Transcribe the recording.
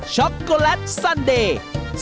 ช็อกโกแลตซันเดย์